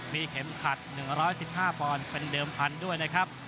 มีเข็มขัด๑๑๕ปอนด์เป็นเดิมพันธุ์ด้วยนะครับ